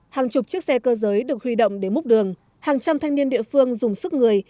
hàng chục chiếc xe cơ giới được huy động để múc đường hàng trăm thanh niên địa phương dùng sức người